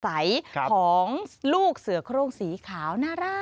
ใสของลูกเสือโครงสีขาวน่ารัก